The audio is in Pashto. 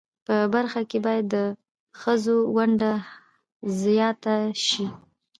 په برخه کښی باید د خځو ونډه ځیاته شی